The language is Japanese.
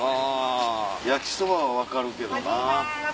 焼きそばは分かるけどな。